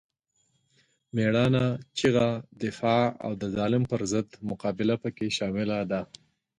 مېړانه، چیغه، دفاع او د ظالم پر ضد مقابله پکې شامله ده.